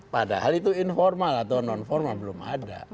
padahal itu informal atau non formal belum ada